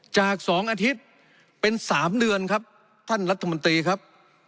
จาก๒อาทิตย์เป็น๓เดือนครับท่านรัฐมนตรีครับ